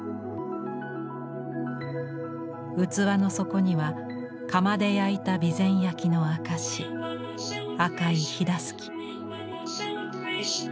器の底には窯で焼いた備前焼の証し赤い緋襷。